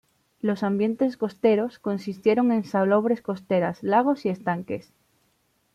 Los ambientes costeros consistieron en salobres costeras, lagos y estanques.